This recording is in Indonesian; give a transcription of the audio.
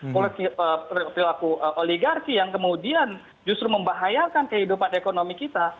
perilaku oligarki yang kemudian justru membahayakan kehidupan ekonomi kita